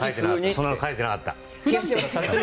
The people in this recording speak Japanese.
そんなの書いてなかった！